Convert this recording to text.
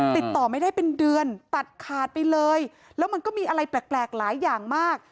ติดต่อไม่ได้เป็นเดือนตัดขาดไปเลยแล้วมันก็มีอะไรแปลกหลายอย่างมาก